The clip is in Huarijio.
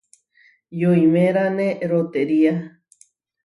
Yoimeráne rotería.